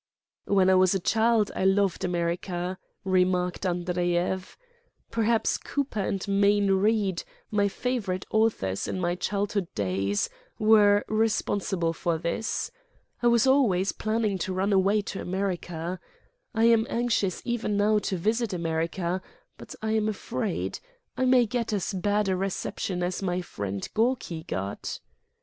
"When I was a child I loved America," re marked Andreyev. "Perhaps Cooper and Mayne Eeid, my favorite authors in my childhood days, were responsible for this. I was always planning to run away to America, I am anxious even now to visit America, but I am afraid I may get as bad a reception as my friend Gorky got."